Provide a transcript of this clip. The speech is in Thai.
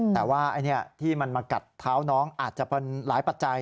แต่ว่าที่มันมากัดเท้าน้องอาจจะเป็นหลายปัจจัย